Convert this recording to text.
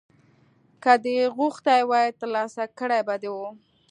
که دې غوښتي وای ترلاسه کړي به دې وو